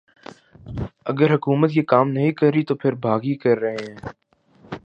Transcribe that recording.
اگر حکومت یہ کام نہیں کررہی تو پھر باغی کررہے ہیں